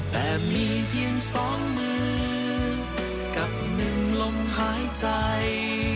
แต่มีเพียงสองมือกับหนึ่งลมหายใจ